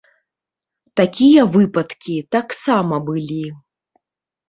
Такія выпадкі таксама былі!